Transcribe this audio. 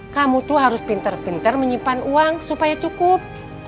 kamu tuh harus pinter pinter menyimpan uang supaya cukup